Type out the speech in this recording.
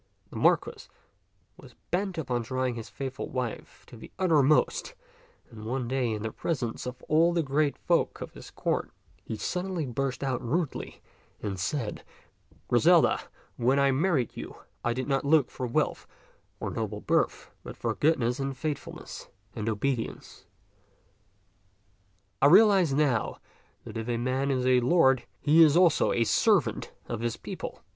The Marquis was bent upon trying his faithful wife to the uttermost, and one day in the presence of all the great folk of his court, he suddenly burst out rudely and said, " Griselda, when I married you, I did not look for wealth or noble birth, but for goodness and faithfulness and obedience. I realize now that if a man is a lord, he is also a servant of his people.